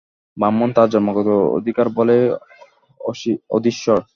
ব্রাহ্মণ তাঁর জন্মগত অধিকারবলেই অধীশ্বর।